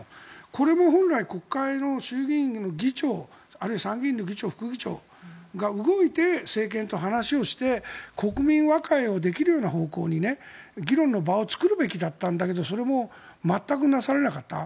これも本来国会の衆議院の議長あるいは参議院の議長、副議長が動いて政権と話をして国民和解をできるような方向に議論の場を作るべきだったんだけどそれも全くなされなかった。